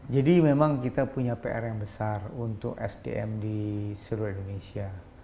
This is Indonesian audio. jadi memang kita punya pr yang besar untuk sdm di seluruh indonesia